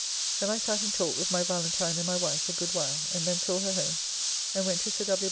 Then I sat and talked with my Valentine and my wife a good while, and then saw her home, and went to Sir W.